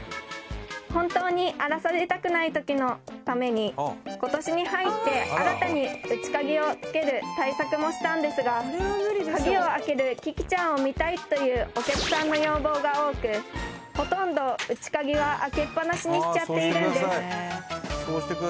本当に荒らされたくない時のために今年に入って新たに内鍵をつける対策もしたんですが鍵を開けるキキちゃんを見たいというお客さんの要望が多くほとんど内鍵は開けっぱなしにしちゃっているんです